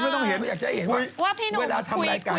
เขาอยากจะให้เห็นว่าเวลาทำรายการ